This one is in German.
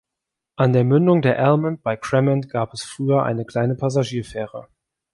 An der Mündung der Almond bei Cramond gab es früher eine kleine Passagierfähre.